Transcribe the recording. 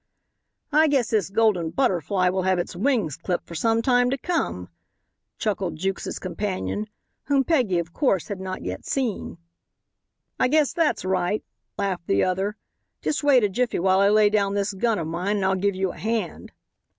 "I guess this Golden Butterfly will have its wings clipped for some time to come," chuckled Jukes' companion, whom Peggy, of course, had not yet seen. "I guess that's right," laughed the other; "just wait a jiffy while I lay down this gun of mine and I'll give you a hand."